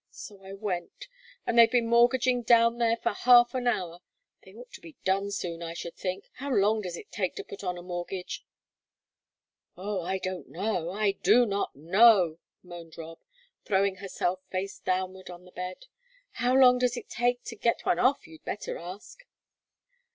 So I went. And they've been mortgaging down there for half an hour. They ought to be done soon, I should think: how long does it take to put on a mortgage?" "Oh, I don't know, I do not know," moaned Rob, throwing herself face downward on the bed. "How long does it take to get one off, you'd better ask."